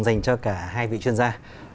dành cho cả hai vị chuyên gia